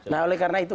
nah oleh karena itu